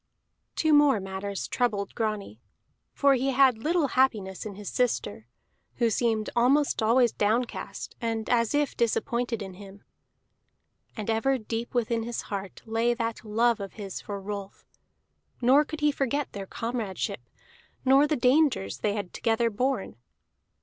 Two more matters troubled Grani. For he had little happiness in his sister, who seemed almost always downcast, and as if disappointed in him. And ever deep within his heart lay that love of his for Rolf, nor could he forget their comradeship, nor the dangers they had together borne.